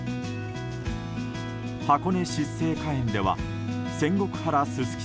箱根湿生花園では仙石原すすき